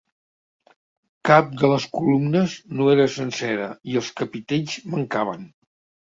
Cap de les columnes no era sencera i els capitells mancaven.